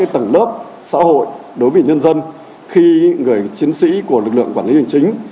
tầng lớp xã hội đối với nhân dân khi người chiến sĩ của lực lượng quản lý hành chính